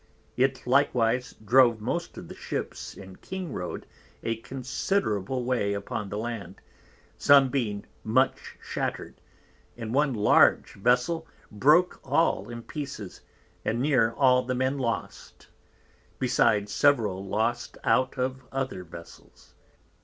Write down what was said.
It likewise drove most of the Ships in Kingroad a considerable way upon the Land, some being much shatter'd, and one large Vessel broke all in pieces, and near all the Men lost, besides several lost out of other Vessels.